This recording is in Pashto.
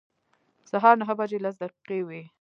سهار نهه بجې لس دقیقې وې.